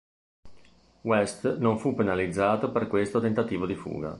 West non fu penalizzato per questo tentativo di fuga.